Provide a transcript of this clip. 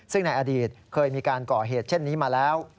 ซึ่งในอดีตเคยมีการก่อเหตุเช่นนี้มาแล้ว